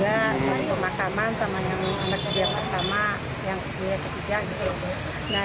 di pemakaman sama anak ibu yang pertama yang ke tiga